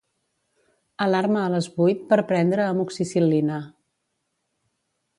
Alarma a les vuit per prendre Amoxicil·lina.